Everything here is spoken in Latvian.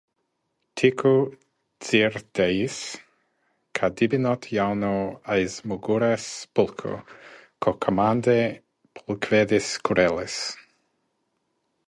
Tiku dzirdējis, ka dibinot jaunu aizmugures pulku, ko komandē pulkvedis Kurelis.